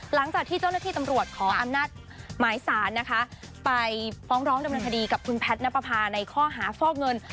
หลังจากที่เจ้าหน้าที่ตำรวจขออำนาจหมายสารนะคะไปฟ้องร้องดำเนินคดีกับคุณแพทย์นับประพาในข้อหาฟอกเงิน